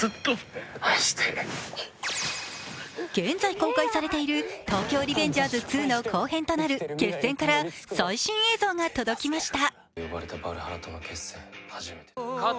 現在公開されている「東京リベンジャーズ２」の後編となる「−決戦−」から最新映像が届きました。